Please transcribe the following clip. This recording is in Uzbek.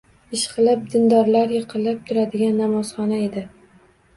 Ishqilib, dindorlar yiqilib-turadigan namozxona edi.